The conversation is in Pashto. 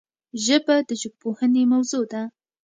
ژبه د ژبپوهنې موضوع ده